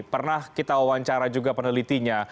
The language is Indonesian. pernah kita wawancara juga penelitinya